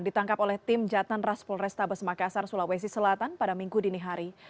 ditangkap oleh tim jatnan raspol restabes makassar sulawesi selatan pada minggu dini hari